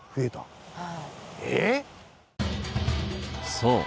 そう！